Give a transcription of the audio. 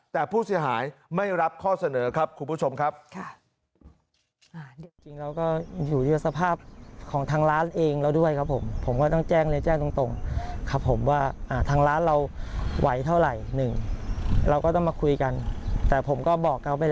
แต่ผู้เสียหายไม่รับข้อเสนอครับคุณผู้ชมครับ